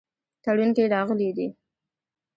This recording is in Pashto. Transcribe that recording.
تړون کې راغلي دي.